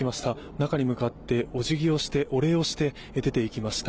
中に向かって、おじぎをしてお礼をして出て行きました。